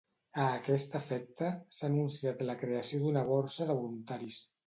A aquest efecte, s'ha anunciat la creació d'una borsa de voluntaris.